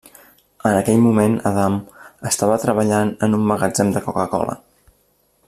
En aquell moment, Adam estava treballant en un magatzem de Coca-Cola.